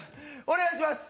お願いします